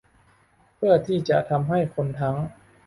เพื่อที่จะทำให้คนทั้ง